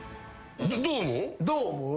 どう思う？